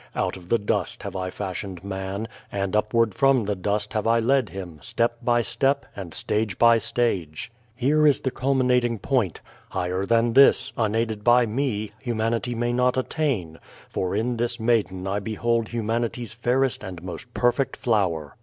Out of the dust have I fashioned man, and upward from the dust have I led him, step by step, and stage by stage. The Heavenly Grafting Here is the culminating point. Higher than this, unaided by me, Humanity may not attain, for in this maiden I behold Humanity's fairest and most perfect flower.